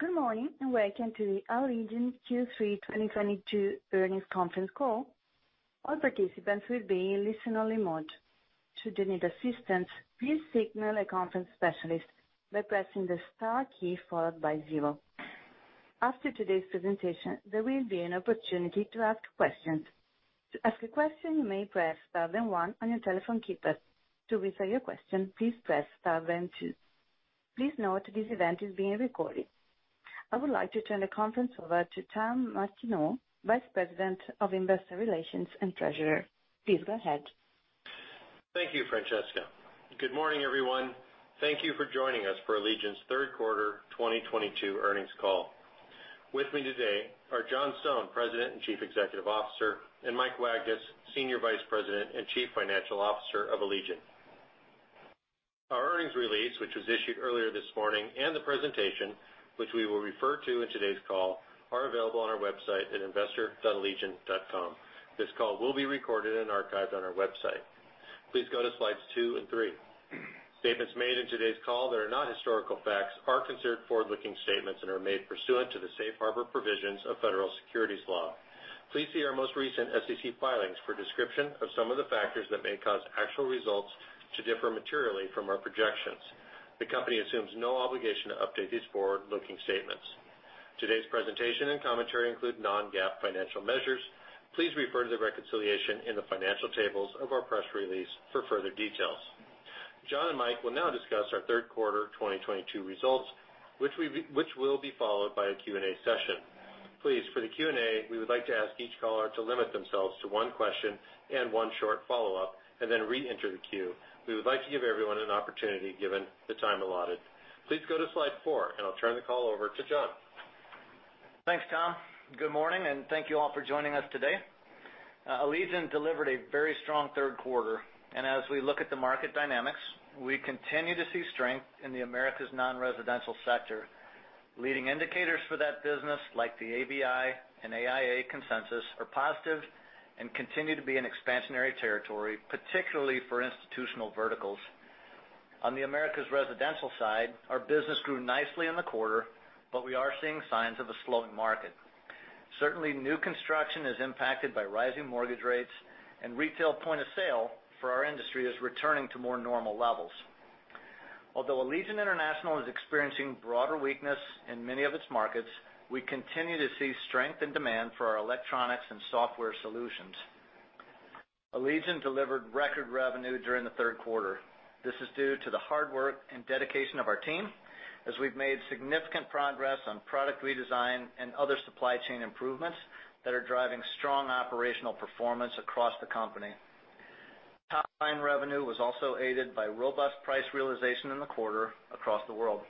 Good morning, and welcome to the Allegion Q3 2022 Earnings Conference Call. All participants will be in listen-only mode. Should you need assistance, please signal a conference specialist by pressing the star key followed by zero. After today's presentation, there will be an opportunity to ask questions. To ask a question, you may press star then one on your telephone keypad. To withdraw your question, please press star then two. Please note this event is being recorded. I would like to turn the conference over to Tom Martineau, Vice President of Investor Relations and Treasurer. Please go ahead. Thank you, Francesca. Good morning, everyone. Thank you for joining us for Allegion's Q3 2022 earnings call. With me today are John H. Stone, President and Chief Executive Officer, and Mike Wagnes, Senior Vice President and Chief Financial Officer of Allegion. Our earnings release, which was issued earlier this morning, and the presentation, which we will refer to in today's call, are available on our website at investor.allegion.com. This call will be recorded and archived on our website. Please go to slides two and three. Statements made in today's call that are not historical facts are considered forward-looking statements and are made pursuant to the safe harbor provisions of federal securities law. Please see our most recent SEC filings for a description of some of the factors that may cause actual results to differ materially from our projections. The company assumes no obligation to update these forward-looking statements. Today's presentation and commentary include non-GAAP financial measures. Please refer to the reconciliation in the financial tables of our press release for further details. John and Mike will now discuss our Q3 2022 results, which will be followed by a Q&A session. Please, for the Q&A, we would like to ask each caller to limit themselves to one question and one short follow-up, and then reenter the queue. We would like to give everyone an opportunity given the time allotted. Please go to slide four, and I'll turn the call over to John. Thanks, Tom. Good morning, and thank you all for joining us today. Allegion delivered a very strong Q3, and as we look at the market dynamics, we continue to see strength in the Americas non-residential sector. Leading indicators for that business, like the ABI and AIA consensus, are positive and continue to be in expansionary territory, particularly for institutional verticals. On the Americas residential side, our business grew nicely in the quarter, but we are seeing signs of a slowing market. Certainly, new construction is impacted by rising mortgage rates, and retail point of sale for our industry is returning to more normal levels. Although Allegion International is experiencing broader weakness in many of its markets, we continue to see strength and demand for our electronics and software solutions. Allegion delivered record revenue during the Q3. This is due to the hard work and dedication of our team as we've made significant progress on product redesign and other supply chain improvements that are driving strong operational performance across the company. Top-line revenue was also aided by robust price realization in the quarter across the world.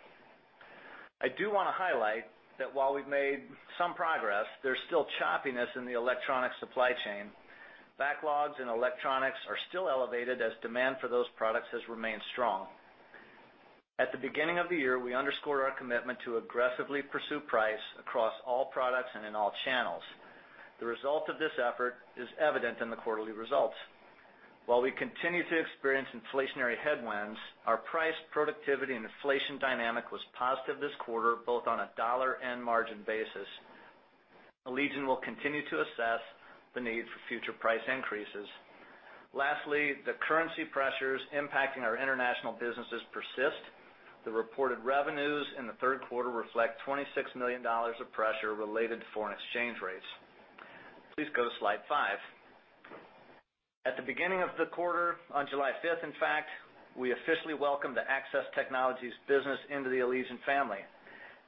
I do wanna highlight that while we've made some progress, there's still choppiness in the electronic supply chain. Backlogs in electronics are still elevated as demand for those products has remained strong. At the beginning of the year, we underscored our commitment to aggressively pursue price across all products and in all channels. The result of this effort is evident in the quarterly results. While we continue to experience inflationary headwinds, our price, productivity, and inflation dynamic was positive this quarter, both on a dollar and margin basis. Allegion will continue to assess the need for future price increases. Lastly, the currency pressures impacting our international businesses persist. The reported revenues in the Q3 reflect $26 million of pressure related to foreign exchange rates. Please go to slide five. At the beginning of the quarter, on July fifth in fact, we officially welcomed the Access Technologies business into the Allegion family.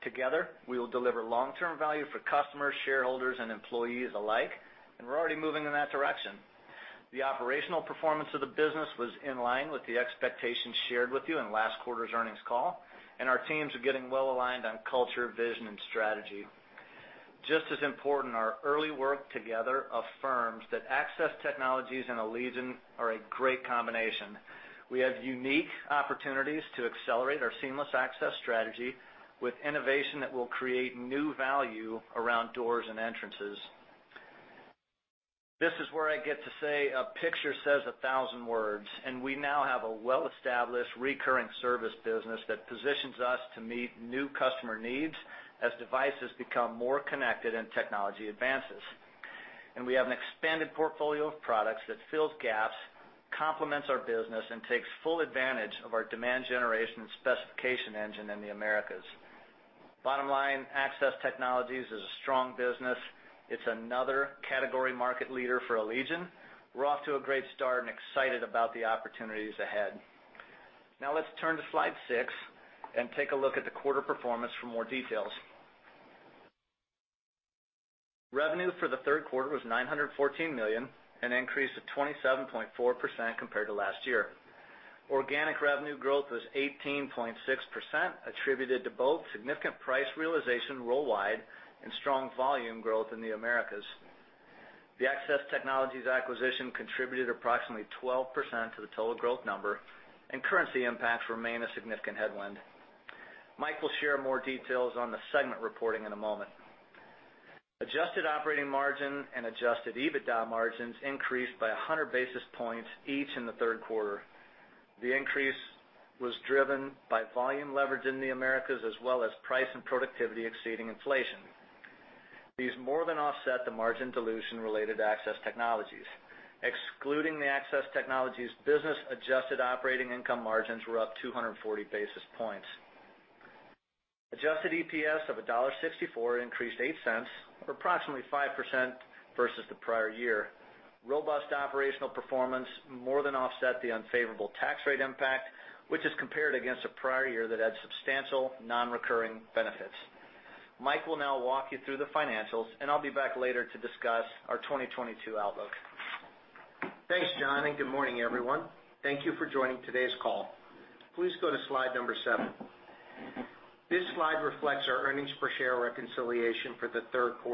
Together, we will deliver long-term value for customers, shareholders, and employees alike, and we're already moving in that direction. The operational performance of the business was in line with the expectations shared with you in last quarter's earnings call, and our teams are getting well-aligned on culture, vision, and strategy. Just as important, our early work together affirms that Access Technologies and Allegion are a great combination. We have unique opportunities to accelerate our seamless access strategy with innovation that will create new value around doors and entrances. This is where I get to say a picture says a thousand words, and we now have a well-established recurring service business that positions us to meet new customer needs as devices become more connected and technology advances. We have an expanded portfolio of products that fills gaps, complements our business, and takes full advantage of our demand generation specification engine in the Americas. Bottom line, Access Technologies is a strong business. It's another category market leader for Allegion. We're off to a great start and excited about the opportunities ahead. Now let's turn to slide 6 and take a look at the quarter performance for more details. Revenue for the Q3 was $914 million, an increase of 27.4% compared to last year. Organic revenue growth was 18.6%, attributed to both significant price realization worldwide and strong volume growth in the Americas. The Access Technologies acquisition contributed approximately 12% to the total growth number, and currency impacts remain a significant headwind. Mike will share more details on the segment reporting in a moment. Adjusted operating margin and adjusted EBITDA margins increased by 100 basis points each in the Q3. The increase was driven by volume leverage in the Americas, as well as price and productivity exceeding inflation. These more than offset the margin dilution related to Access Technologies. Excluding the Access Technologies business, adjusted operating income margins were up 240 basis points. Adjusted EPS of $1.64 increased 8 cents, or approximately 5% versus the prior year. Robust operational performance more than offset the unfavorable tax rate impact, which is compared against a prior year that had substantial non-recurring benefits. Mike will now walk you through the financials, and I'll be back later to discuss our 2022 outlook. Thanks, John, and good morning, everyone. Thank you for joining today's call. Please go to slide 7. This slide reflects our earnings per share reconciliation for the Q3.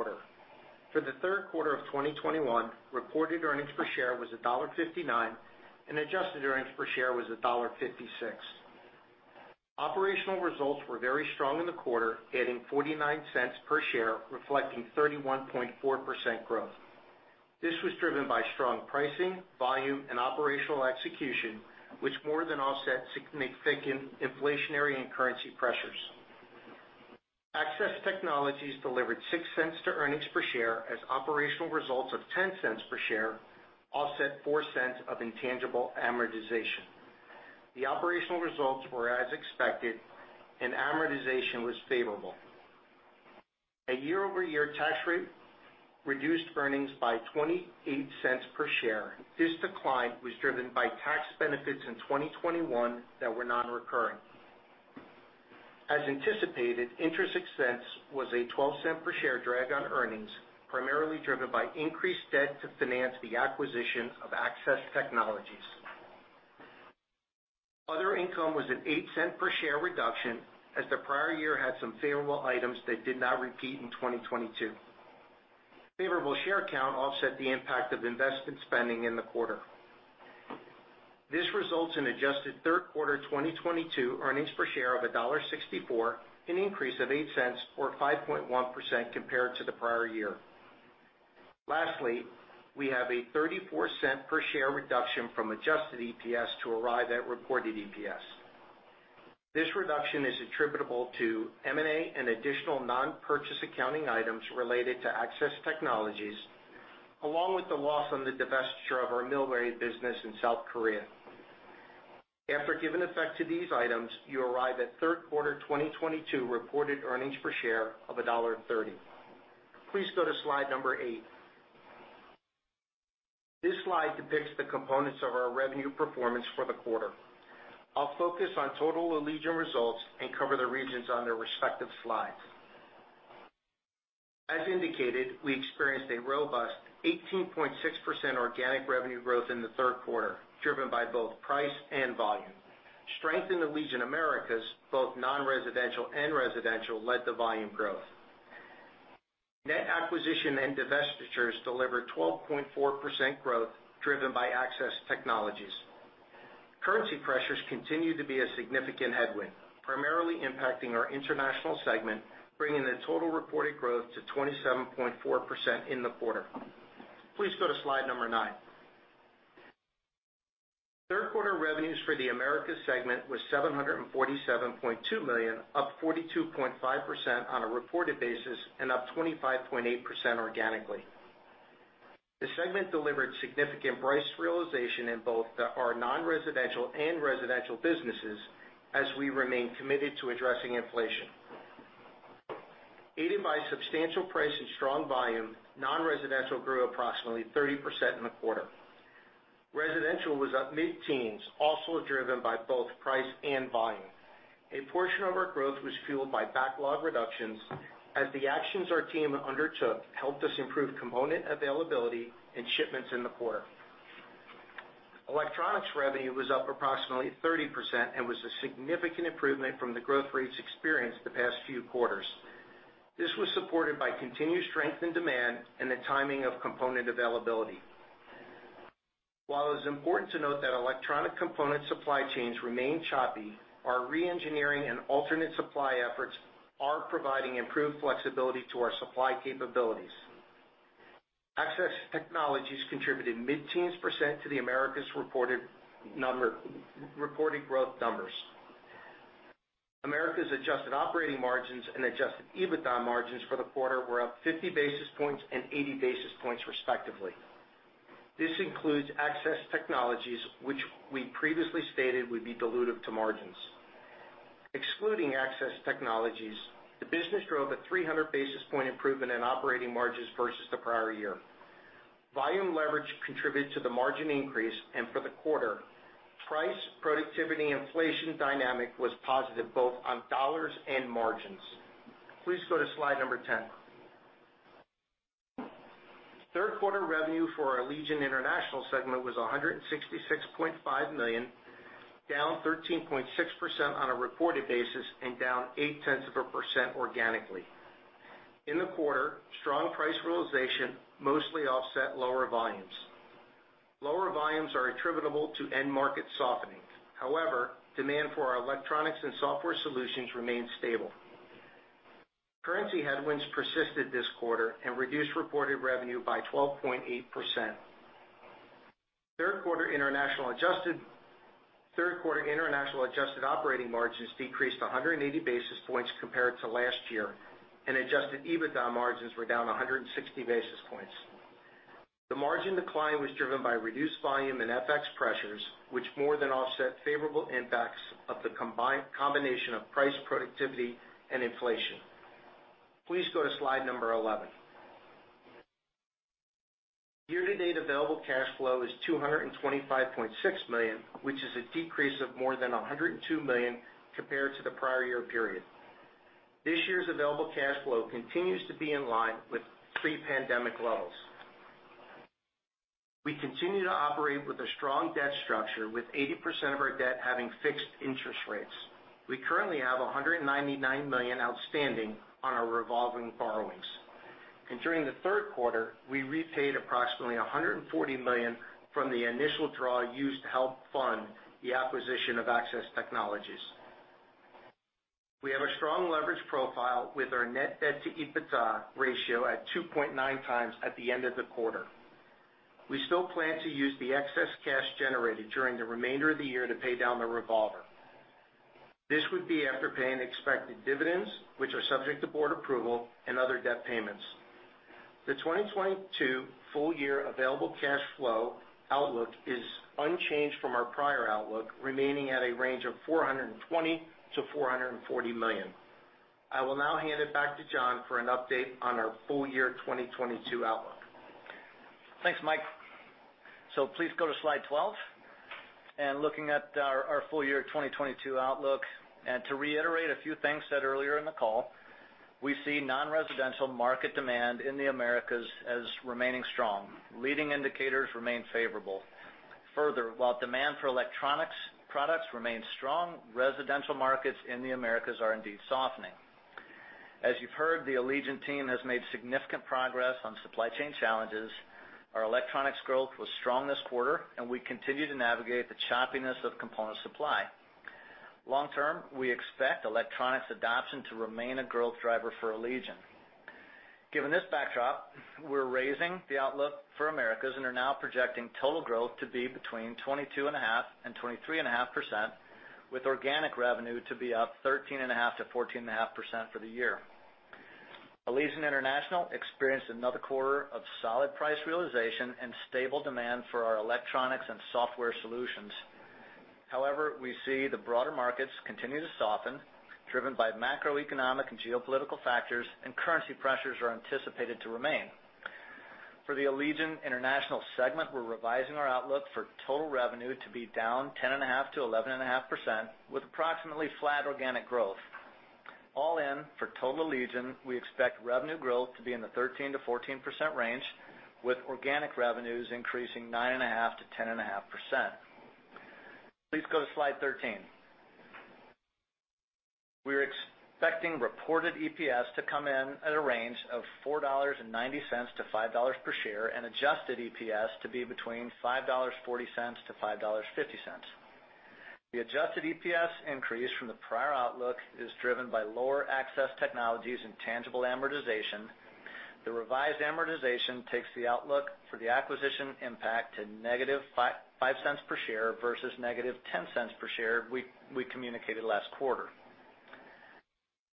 For the Q3 of 2021, reported earnings per share was $1.59, and adjusted earnings per share was $1.56. Operational results were very strong in the quarter, adding $0.49 per share, reflecting 31.4% growth. This was driven by strong pricing, volume, and operational execution, which more than offset significant inflationary and currency pressures. Access Technologies delivered $0.06 to earnings per share as operational results of $0.10 per share offset $0.04 of intangible amortization. The operational results were as expected and amortization was favorable. A year-over-year tax rate reduced earnings by $0.28 per share. This decline was driven by tax benefits in 2021 that were non-recurring. As anticipated, interest expense was a 12-cent per share drag on earnings, primarily driven by increased debt to finance the acquisition of Access Technologies. Other income was an 8-cent per share reduction, as the prior year had some favorable items that did not repeat in 2022. Favorable share count offset the impact of investment spending in the quarter. This results in adjusted Q3 2022 earnings per share of $1.64, an increase of 8 cents or 5.1% compared to the prior year. Lastly, we have a 34-cent per share reduction from adjusted EPS to arrive at reported EPS. This reduction is attributable to M&A and additional non-purchase accounting items related to Access Technologies, along with the loss on the divestiture of our Milre business in South Korea. After giving effect to these items, you arrive at Q3 2022 reported earnings per share of $1.30. Please go to slide 8. This slide depicts the components of our revenue performance for the quarter. I'll focus on total Allegion results and cover the regions on their respective slides. As indicated, we experienced a robust 18.6% organic revenue growth in the Q3, driven by both price and volume. Strength in Allegion Americas, both non-residential and residential, led to volume growth. Net acquisition and divestitures delivered 12.4% growth, driven by Access Technologies. Currency pressures continue to be a significant headwind, primarily impacting our international segment, bringing the total reported growth to 27.4% in the quarter. Please go to slide 9. Q3 revenues for the Americas segment was $747.2 million, up 42.5% on a reported basis and up 25.8% organically. The segment delivered significant price realization in both our non-residential and residential businesses as we remain committed to addressing inflation. Aided by substantial price and strong volume, non-residential grew approximately 30% in the quarter. Residential was up mid-teens, also driven by both price and volume. A portion of our growth was fueled by backlog reductions as the actions our team undertook helped us improve component availability and shipments in the quarter. Electronics revenue was up approximately 30% and was a significant improvement from the growth rates experienced the past few quarters. This was supported by continued strength in demand and the timing of component availability. While it's important to note that electronic component supply chains remain choppy, our re-engineering and alternate supply efforts are providing improved flexibility to our supply capabilities. Access Technologies contributed mid-teens to the Americas reported growth numbers. Americas adjusted operating margins and adjusted EBITDA margins for the quarter were up 50 basis points and 80 basis points respectively. This includes Access Technologies, which we previously stated would be dilutive to margins. Excluding Access Technologies, the business drove a 300 basis point improvement in operating margins versus the prior year. Volume leverage contributed to the margin increase and for the quarter. Price productivity inflation dynamic was positive both on dollars and margins. Please go to slide number 10. Q3 revenue for our Allegion International segment was $166.5 million, down 13.6% on a reported basis and down 0.8% organically. In the quarter, strong price realization mostly offset lower volumes. Lower volumes are attributable to end market softening. However, demand for our electronics and software solutions remains stable. Currency headwinds persisted this quarter and reduced reported revenue by 12.8%. Q3 international adjusted operating margins decreased 180 basis points compared to last year, and adjusted EBITDA margins were down 160 basis points. The margin decline was driven by reduced volume and FX pressures, which more than offset favorable impacts of the combination of price, productivity, and inflation. Please go to slide 11. Year-to-date available cash flow is $225.6 million, which is a decrease of more than $102 million compared to the prior year period. This year's available cash flow continues to be in line with pre-pandemic levels. We continue to operate with a strong debt structure, with 80% of our debt having fixed interest rates. We currently have $199 million outstanding on our revolving borrowings. During the Q3, we repaid approximately $140 million from the initial draw used to help fund the acquisition of Access Technologies. We have a strong leverage profile with our net debt to EBITDA ratio at 2.9x at the end of the quarter. We still plan to use the excess cash generated during the remainder of the year to pay down the revolver. This would be after paying expected dividends, which are subject to board approval and other debt payments. The 2022 full year available cash flow outlook is unchanged from our prior outlook, remaining at a range of $420 to 440 million. I will now hand it back to John for an update on our full year 2022 outlook. Thanks, Mike. Please go to slide 12. Looking at our full year 2022 outlook, to reiterate a few things said earlier in the call, we see non-residential market demand in the Americas as remaining strong. Leading indicators remain favorable. Further, while demand for electronics products remains strong, residential markets in the Americas are indeed softening. As you've heard, the Allegion team has made significant progress on supply chain challenges. Our electronics growth was strong this quarter, and we continue to navigate the choppiness of component supply. Long term, we expect electronics adoption to remain a growth driver for Allegion. Given this backdrop, we're raising the outlook for Americas and are now projecting total growth to be between 22.5% and 23.5%, with organic revenue to be up 13.5% to 14.5% for the year. Allegion International experienced another quarter of solid price realization and stable demand for our electronics and software solutions. However, we see the broader markets continue to soften, driven by macroeconomic and geopolitical factors, and currency pressures are anticipated to remain. For the Allegion International segment, we're revising our outlook for total revenue to be down 10.5% to 11.5%, with approximately flat organic growth. All in, for total Allegion, we expect revenue growth to be in the 13%-14% range, with organic revenues increasing 9.5% to 10.5%. Please go to slide 13. We're expecting reported EPS to come in at a range of $4.90 to 5.00 per share and adjusted EPS to be between $5.40 to 5.50. The adjusted EPS increase from the prior outlook is driven by lower Access Technologies and intangible amortization. The revised amortization takes the outlook for the acquisition impact to -$0.055 per share versus -$0.10 per share we communicated last quarter.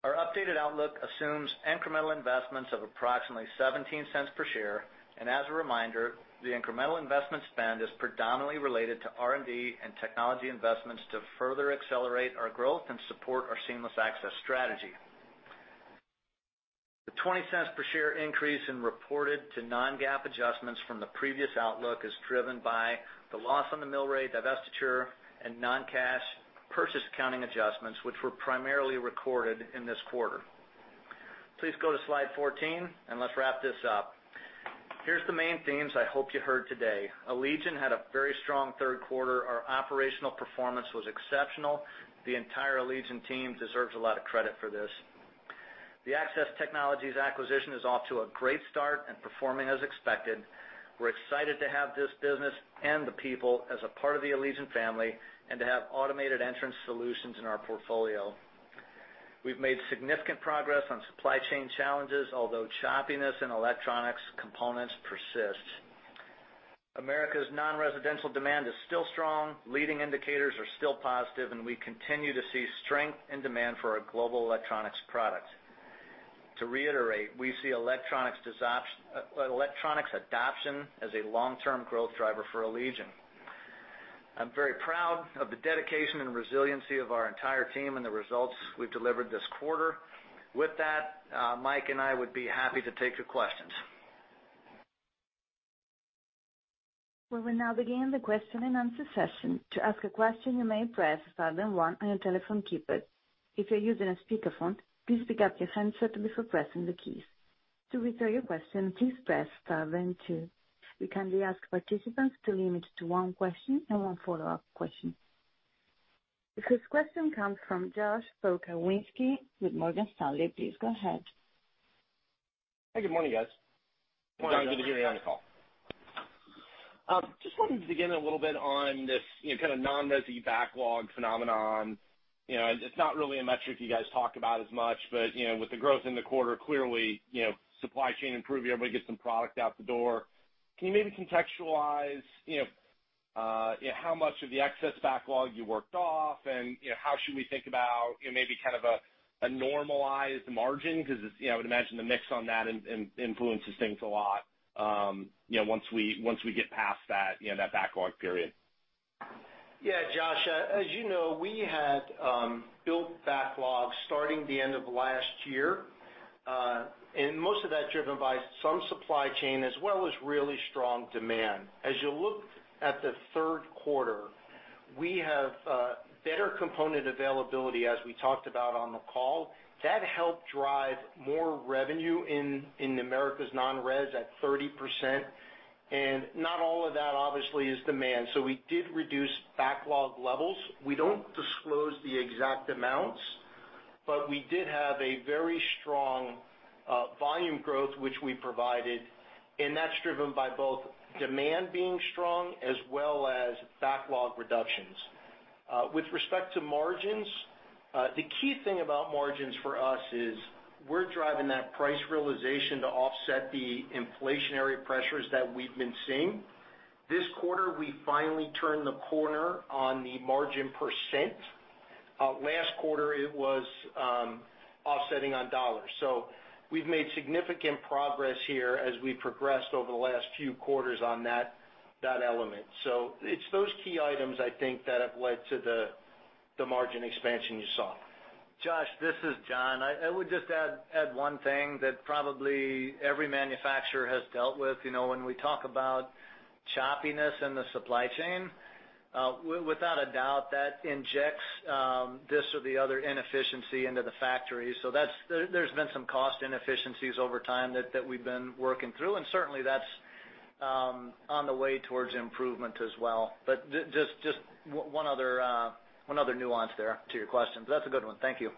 Our updated outlook assumes incremental investments of approximately $0.17 per share. As a reminder, the incremental investment spend is predominantly related to R&D and technology investments to further accelerate our growth and support our seamless access strategy. The $0.20 per share increase in reported to non-GAAP adjustments from the previous outlook is driven by the loss on the Milre divestiture and non-cash purchase accounting adjustments, which were primarily recorded in this quarter. Please go to slide 14, and let's wrap this up. Here's the main themes I hope you heard today. Allegion had a very strong Q3. Our operational performance was exceptional. The entire Allegion team deserves a lot of credit for this. The Access Technologies acquisition is off to a great start and performing as expected. We're excited to have this business and the people as a part of the Allegion family and to have automated entrance solutions in our portfolio. We've made significant progress on supply chain challenges, although choppiness in electronics components persist. America's non-residential demand is still strong, leading indicators are still positive, and we continue to see strength and demand for our global electronics products. To reiterate, we see electronics adoption as a long-term growth driver for Allegion. I'm very proud of the dedication and resiliency of our entire team and the results we've delivered this quarter. With that, Mike and I would be happy to take your questions. We will now begin the question-and-answer session. To ask a question, you may press star then one on your telephone keypad. If you're using a speakerphone, please pick up your handset before pressing the keys. To withdraw your question, please press star then two. We kindly ask participants to limit to one question and one follow-up question. The first question comes from Josh Pokrzywinski with Morgan Stanley. Please go ahead. Hey, good morning, guys. Good morning. John, good to hear you on the call. Just wanted to dig in a little bit on this, you know, kind of non-resi backlog phenomenon. You know, it's not really a metric you guys talk about as much, but, you know, with the growth in the quarter, clearly, you know, supply chain improving, everybody gets some product out the door. Can you maybe contextualize, you know, how much of the excess backlog you worked off and, you know, how should we think about, you know, maybe kind of a normalized margin? 'Cause, you know, I would imagine the mix on that influences things a lot, you know, once we get past that, you know, that backlog period. Yeah, Josh, as you know, we had built backlogs starting the end of last year, and most of that driven by some supply chain as well as really strong demand. As you look at the Q3, we have better component availability, as we talked about on the call. That helped drive more revenue in Americas non-res at 30%. Not all of that obviously is demand. We did reduce backlog levels. We don't disclose the exact amounts, but we did have a very strong volume growth, which we provided, and that's driven by both demand being strong as well as backlog reductions. With respect to margins, the key thing about margins for us is we're driving that price realization to offset the inflationary pressures that we've been seeing. This quarter, we finally turned the corner on the margin percent. Last quarter, it was offsetting on dollars. We've made significant progress here as we progressed over the last few quarters on that element. It's those key items I think that have led to the margin expansion you saw. Josh, this is John. I would just add one thing that probably every manufacturer has dealt with. You know, when we talk about choppiness in the supply chain, without a doubt, that injects this or the other inefficiency into the factory. So that's. There's been some cost inefficiencies over time that we've been working through, and certainly that's on the way towards improvement as well. Just one other nuance there to your question. That's a good one. Thank you.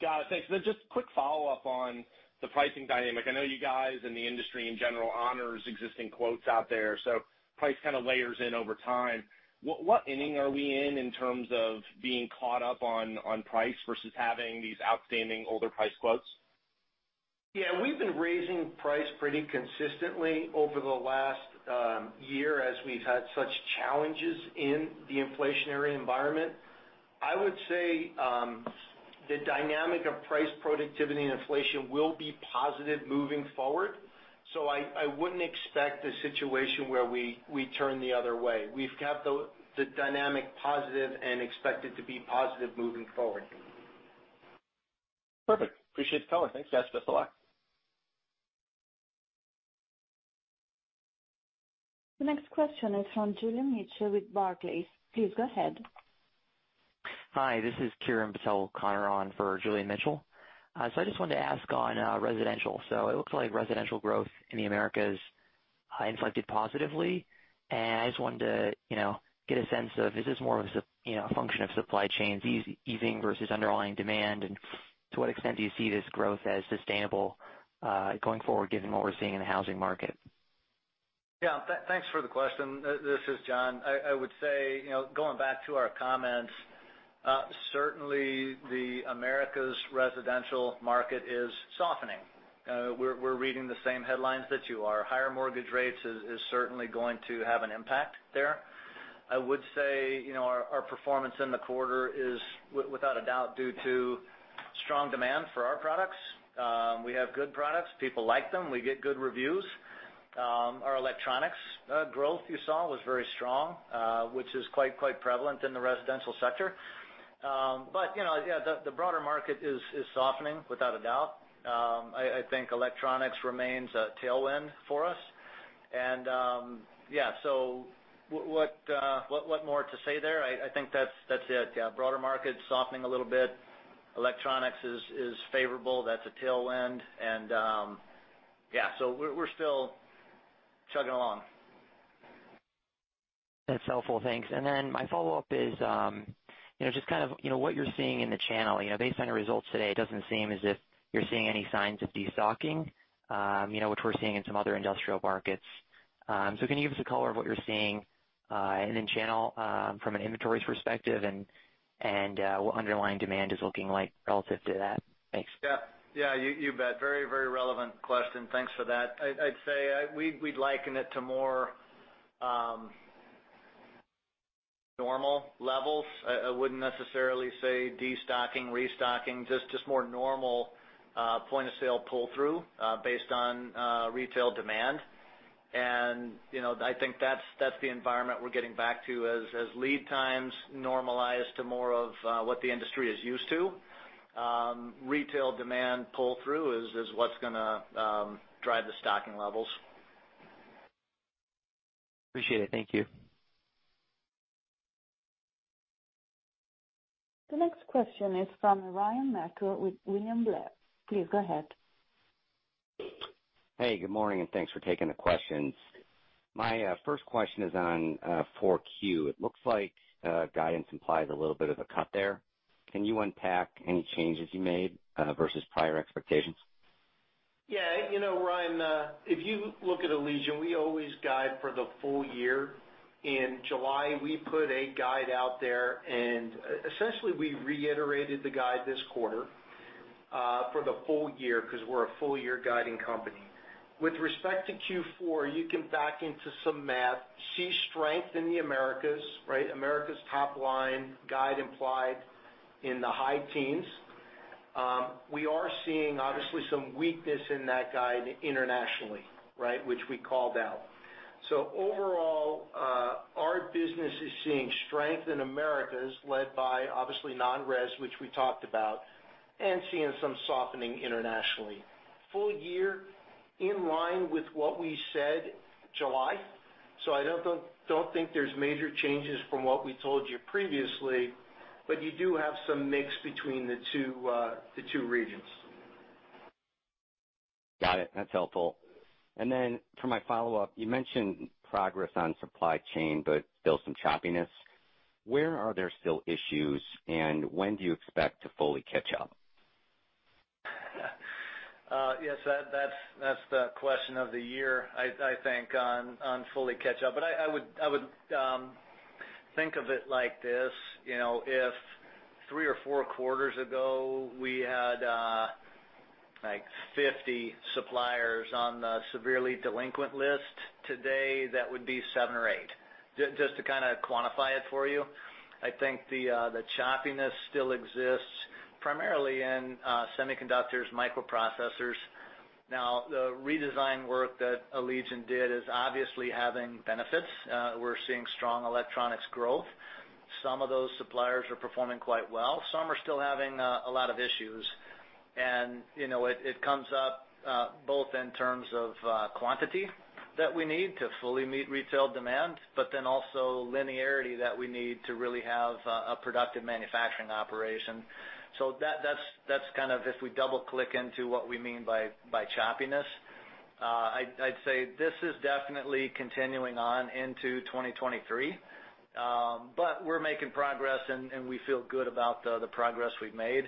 Got it. Thanks. Just quick follow-up on the pricing dynamic. I know you guys in the industry in general honors existing quotes out there, so price kind of layers in over time. What inning are we in terms of being caught up on price versus having these outstanding older price quotes? Yeah, we've been raising price pretty consistently over the last year as we've had such challenges in the inflationary environment. I would say the dynamic of price productivity and inflation will be positive moving forward. I wouldn't expect a situation where we turn the other way. We've kept the dynamic positive and expect it to be positive moving forward. Perfect. Appreciate the color. Thanks, guys. Best of luck. The next question is from Julian Mitchell with Barclays. Please go ahead. Hi, this is Kieran Patel, covering on for Julian Mitchell. I just wanted to ask on residential. It looks like residential growth in the Americas inflected positively, and I just wanted to, you know, get a sense of is this more of, you know, a function of supply chains easing versus underlying demand, and to what extent do you see this growth as sustainable, going forward, given what we're seeing in the housing market? Thanks for the question. This is John. I would say, you know, going back to our comments, certainly the Americas residential market is softening. We're reading the same headlines that you are. Higher mortgage rates is certainly going to have an impact there. I would say, you know, our performance in the quarter is without a doubt due to strong demand for our products. We have good products. People like them. We get good reviews. Our electronics growth you saw was very strong, which is quite prevalent in the residential sector. You know, yeah, the broader market is softening without a doubt. I think electronics remains a tailwind for us. Yeah, so what more to say there? I think that's it. Yeah, broader market softening a little bit. Electronics is favorable. That's a tailwind. Yeah, so we're still chugging along. That's helpful, thanks. My follow-up is, you know, just kind of, you know, what you're seeing in the channel. You know, based on your results today, it doesn't seem as if you're seeing any signs of destocking, you know, which we're seeing in some other industrial markets. Can you give us some color on what you're seeing in the channel from an inventories perspective and what underlying demand is looking like relative to that? Thanks. Yeah. Yeah, you bet. Very relevant question. Thanks for that. I'd say we'd liken it to more normal levels. I wouldn't necessarily say destocking, restocking, just more normal point of sale pull-through based on retail demand. You know, I think that's the environment we're getting back to as lead times normalize to more of what the industry is used to. Retail demand pull-through is what's gonna drive the stocking levels. Appreciate it. Thank you. The next question is from Ryan Merkel with William Blair. Please go ahead. Hey, good morning, and thanks for taking the questions. My first question is on Q4. It looks like guidance implies a little bit of a cut there. Can you unpack any changes you made versus prior expectations? Yeah. You know, Ryan, if you look at Allegion, we always guide for the full year. In July, we put a guide out there, and essentially, we reiterated the guide this quarter, for the full year because we're a full year guiding company. With respect to Q4, you can back into some math, see strength in the Americas, right? Americas top line guide implied in the high teens. We are seeing obviously some weakness in that guide internationally, right, which we called out. Overall, our business is seeing strength in Americas, led by obviously non-res, which we talked about, and seeing some softening internationally. Full year in line with what we said July. I don't think there's major changes from what we told you previously, but you do have some mix between the two, the two regions. Got it. That's helpful. For my follow-up, you mentioned progress on supply chain, but still some choppiness. Where are there still issues, and when do you expect to fully catch up? Yes, that's the question of the year, I think on fully catch up. I would think of it like this. You know, if three or four quarters ago, we had like 50 suppliers on the severely delinquent list, today that would be 7 or 8. Just to kinda quantify it for you. I think the choppiness still exists primarily in semiconductors, microprocessors. Now, the redesign work that Allegion did is obviously having benefits. We're seeing strong electronics growth. Some of those suppliers are performing quite well. Some are still having a lot of issues. You know, it comes up both in terms of quantity that we need to fully meet retail demand, but then also linearity that we need to really have a productive manufacturing operation. That's kind of if we double-click into what we mean by choppiness. I'd say this is definitely continuing on into 2023. But we're making progress, and we feel good about the progress we've made.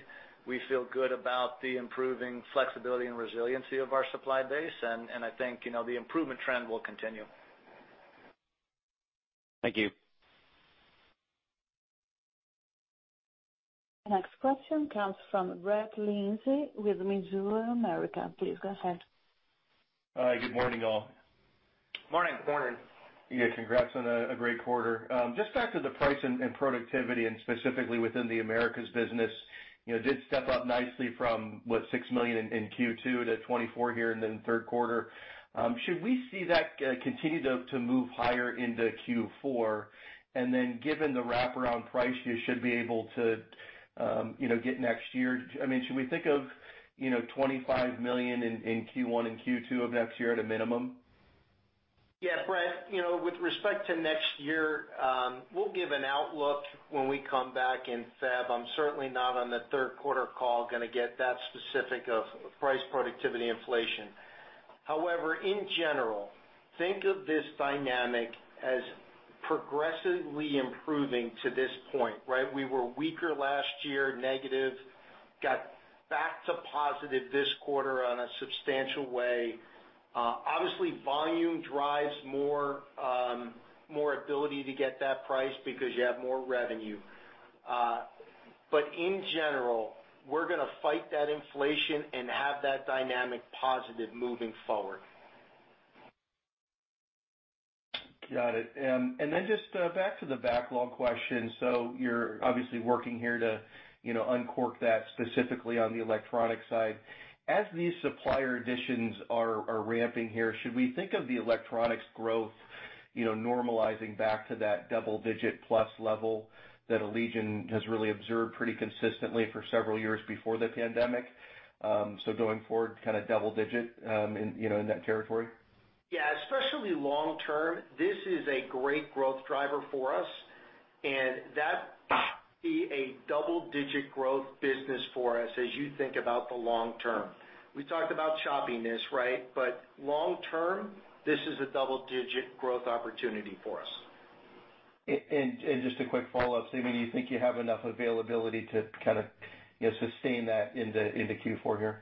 We feel good about the improving flexibility and resiliency of our supply base, and I think, you know, the improvement trend will continue. Thank you. Next question comes from Brett Linzey with Mizuho Americas. Please go ahead. Hi. Good morning, all. Morning. Morning. Yeah, congrats on a great quarter. Just back to the price and productivity and specifically within the Americas business, you know, did step up nicely from $6 million in Q2 to $24 million here and then Q3. Should we see that continue to move higher into Q4? Given the wraparound price, you should be able to, you know, get next year. I mean, should we think of, you know, $25 million in Q1 and Q2 of next year at a minimum? Yeah, Brett, you know, with respect to next year, we'll give an outlook when we come back in February. I'm certainly not on the Q3 call gonna get that specific of price productivity inflation. However, in general, think of this dynamic as progressively improving to this point, right? We were weaker last year, negative, got back to positive this quarter on a substantial way. Obviously, volume drives more ability to get that price because you have more revenue. In general, we're gonna fight that inflation and have that dynamic positive moving forward. Got it. Just back to the backlog question. You're obviously working here to, you know, uncork that specifically on the electronic side. As these supplier additions are ramping here, should we think of the electronics growth, you know, normalizing back to that double digit plus level that Allegion has really observed pretty consistently for several years before the pandemic? Going forward, kinda double digit in that territory? Yeah, especially long term, this is a great growth driver for us, and that should be a double-digit growth business for us as you think about the long term. We talked about choppiness, right? Long term, this is a double-digit growth opportunity for us. Just a quick follow-up. I mean, do you think you have enough availability to kind of, you know, sustain that into Q4 here?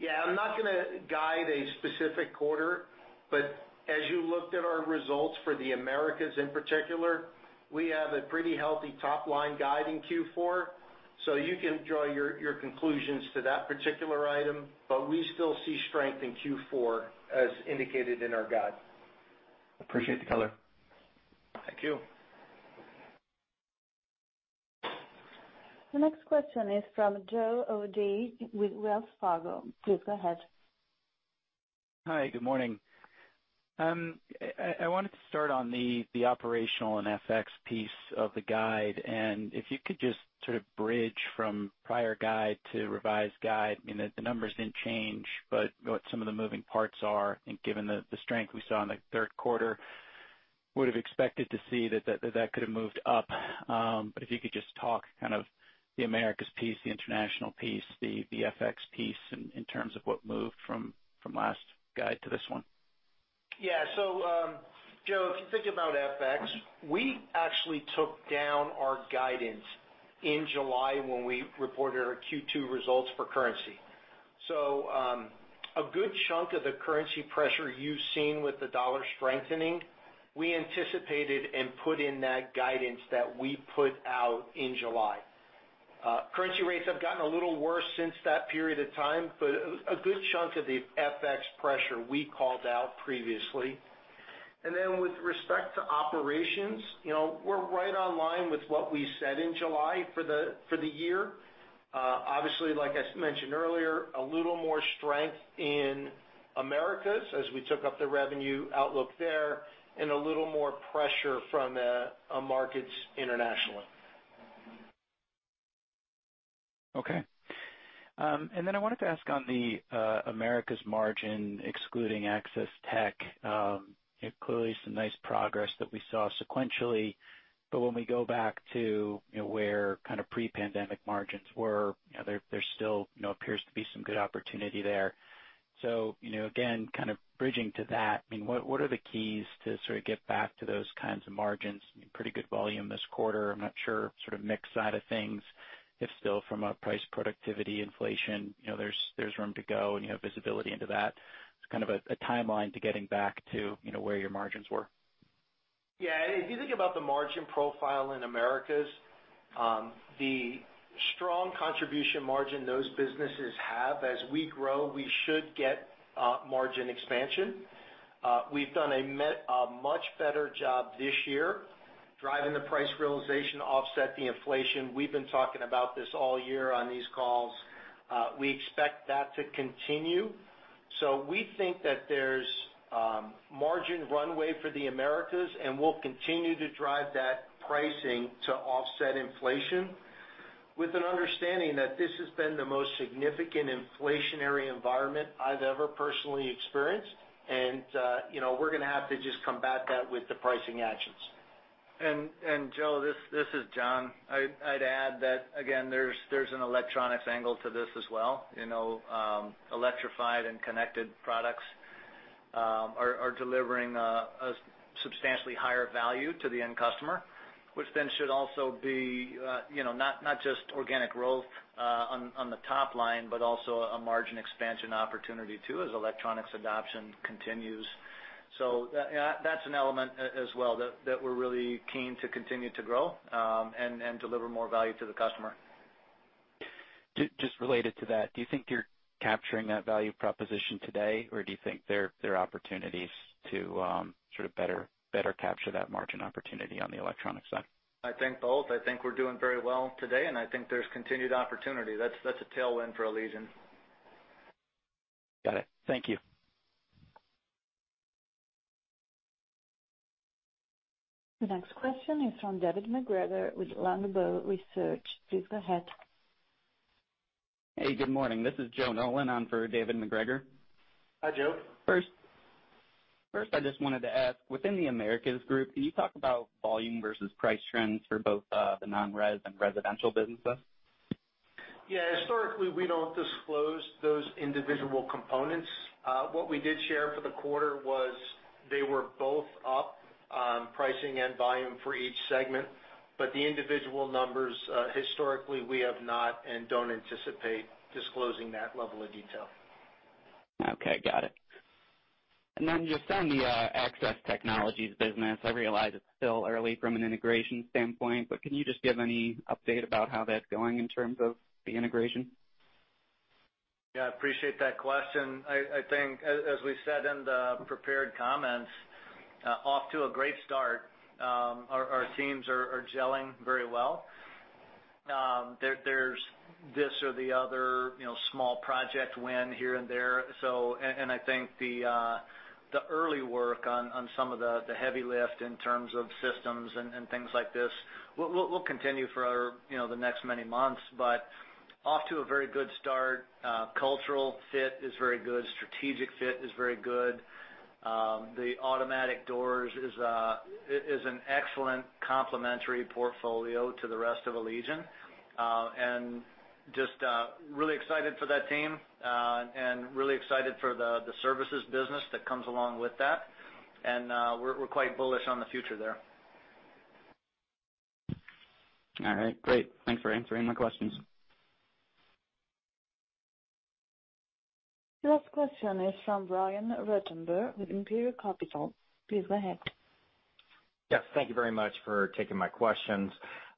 Yeah, I'm not gonna guide a specific quarter, but as you looked at our results for the Americas in particular, we have a pretty healthy top-line guide in Q4. You can draw your conclusions to that particular item, but we still see strength in Q4 as indicated in our guide. Appreciate the color. Thank you. The next question is from Joseph O'Dea with Wells Fargo. Please go ahead. Hi. Good morning. I wanted to start on the operational and FX piece of the guide, and if you could just sort of bridge from prior guide to revised guide. I mean, the numbers didn't change, but what some of the moving parts are and given the strength we saw in the Q3, would have expected to see that could have moved up. But if you could just talk kind of the Americas piece, the international piece, the FX piece in terms of what moved from last guide to this one. Yeah. Joe, if you think about FX, we actually took down our guidance in July when we reported our Q2 results for currency. A good chunk of the currency pressure you've seen with the dollar strengthening, we anticipated and put in that guidance that we put out in July. Currency rates have gotten a little worse since that period of time, but a good chunk of the FX pressure we called out previously. With respect to operations, you know, we're right in line with what we said in July for the year. Obviously, like I mentioned earlier, a little more strength in Americas as we took up the revenue outlook there, and a little more pressure from markets internationally. Okay. Then I wanted to ask on the Americas margin, excluding Access Technologies, clearly some nice progress that we saw sequentially. When we go back to, you know, where kind of pre-pandemic margins were, you know, there still, you know, appears to be some good opportunity there. You know, again, kind of bridging to that, I mean, what are the keys to sort of get back to those kinds of margins? I mean, pretty good volume this quarter. I'm not sure sort of mix side of things, if still from a price productivity inflation, you know, there's room to go and you have visibility into that. It's kind of a timeline to getting back to, you know, where your margins were. Yeah. If you think about the margin profile in Americas, the strong contribution margin those businesses have as we grow, we should get margin expansion. We've done a much better job this year driving the price realization to offset the inflation. We've been talking about this all year on these calls. We expect that to continue. We think that there's margin runway for the Americas, and we'll continue to drive that pricing to offset inflation with an understanding that this has been the most significant inflationary environment I've ever personally experienced. You know, we're gonna have to just combat that with the pricing actions. Joe, this is John. I'd add that again, there's an electronics angle to this as well, you know, electrified and connected products are delivering a substantially higher value to the end customer, which then should also be, you know, not just organic growth on the top line, but also a margin expansion opportunity too, as electronics adoption continues. That, yeah, that's an element as well that we're really keen to continue to grow, and deliver more value to the customer. Just related to that, do you think you're capturing that value proposition today, or do you think there are opportunities to sort of better capture that margin opportunity on the electronic side? I think both. I think we're doing very well today, and I think there's continued opportunity. That's a tailwind for Allegion. Got it. Thank you. The next question is from David MacGregor with Longbow Research. Please go ahead. Hey, good morning. This is Joseph Nolan on for David MacGregor. Hi, Joe. First, I just wanted to ask, within the Americas group, can you talk about volume versus price trends for both, the non-res and residential businesses? Yeah. Historically, we don't disclose those individual components. What we did share for the quarter was they were both up, pricing and volume for each segment. The individual numbers, historically we have not and don't anticipate disclosing that level of detail. Okay. Got it. Just on the Access Technologies business, I realize it's still early from an integration standpoint, but can you just give any update about how that's going in terms of the integration? Yeah, I appreciate that question. I think as we said in the prepared comments, off to a great start. Our teams are gelling very well. There's this or the other, you know, small project win here and there. I think the early work on some of the heavy lift in terms of systems and things like this will continue for, you know, the next many months, but off to a very good start. Cultural fit is very good, strategic fit is very good. The automatic doors is an excellent complementary portfolio to the rest of Allegion. Just really excited for that team and really excited for the services business that comes along with that. We're quite bullish on the future there. All right, great. Thanks for answering my questions. Next question is from Brian Ruttenbur with Imperial Capital. Please go ahead. Yes, thank you very much for taking my questions.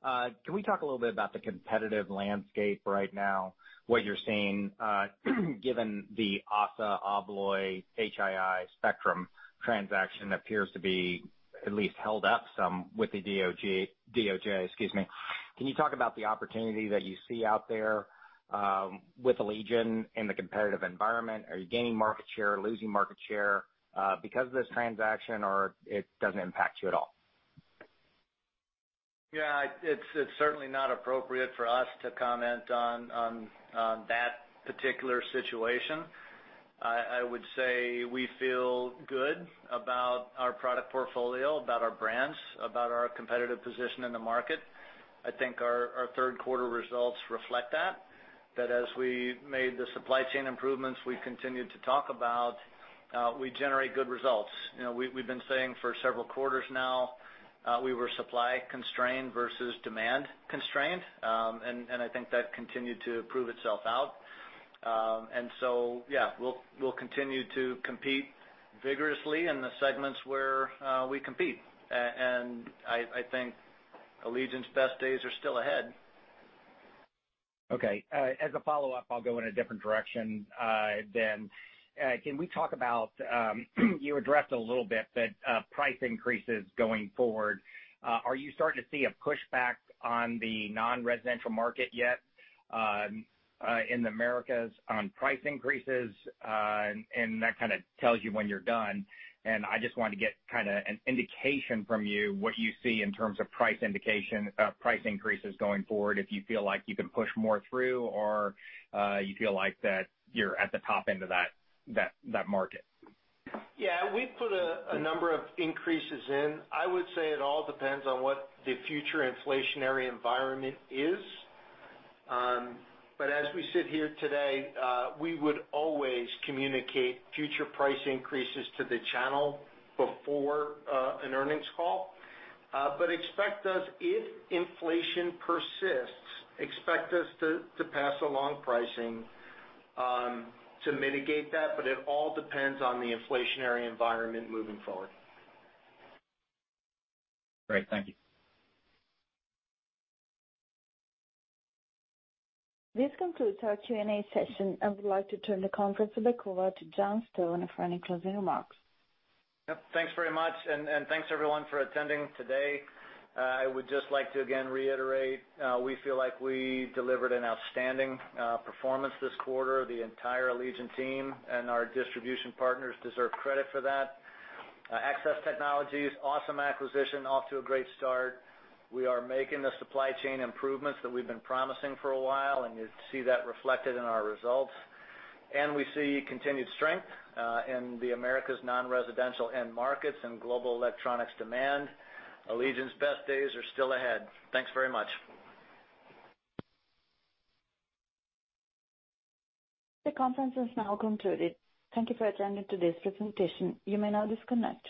Can we talk a little bit about the competitive landscape right now, what you're seeing, given the ASSA ABLOY, HHI Spectrum transaction appears to be at least held up some with the DOJ, excuse me. Can you talk about the opportunity that you see out there, with Allegion in the competitive environment? Are you gaining market share, losing market share, because of this transaction, or it doesn't impact you at all? Yeah, it's certainly not appropriate for us to comment on that particular situation. I would say we feel good about our product portfolio, about our brands, about our competitive position in the market. I think our Q3 results reflect that as we made the supply chain improvements we've continued to talk about, we generate good results. You know, we've been saying for several quarters now, we were supply constrained versus demand constrained. I think that continued to prove itself out. Yeah, we'll continue to compete vigorously in the segments where we compete. I think Allegion's best days are still ahead. Okay. As a follow-up, I'll go in a different direction. Can we talk about you addressed a little bit that price increases going forward. Are you starting to see a pushback on the non-residential market yet in the Americas on price increases? That kinda tells you when you're done. I just wanted to get kinda an indication from you what you see in terms of price increases going forward, if you feel like you can push more through or you feel like that you're at the top end of that market. Yeah, we've put a number of increases in. I would say it all depends on what the future inflationary environment is. As we sit here today, we would always communicate future price increases to the channel before an earnings call. Expect us to pass along pricing if inflation persists to mitigate that, but it all depends on the inflationary environment moving forward. Great. Thank you. This concludes our Q&A session. I would like to turn the conference back over to John H. Stone for any closing remarks. Yep, thanks very much, and thanks everyone for attending today. I would just like to again reiterate, we feel like we delivered an outstanding performance this quarter. The entire Allegion team and our distribution partners deserve credit for that. Access Technologies, awesome acquisition, off to a great start. We are making the supply chain improvements that we've been promising for a while, and you see that reflected in our results. We see continued strength in the Americas non-residential end markets and global electronics demand. Allegion's best days are still ahead. Thanks very much. The conference is now concluded. Thank you for attending today's presentation. You may now disconnect.